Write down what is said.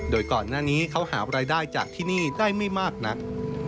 โดยก่อนหน้านี้เขาหารายได้จากที่นี่ได้ไม่มากนัก